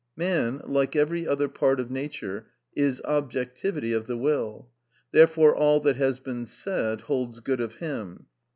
Man, like every other part of Nature, is objectivity of the will; therefore all that has been said holds good of him.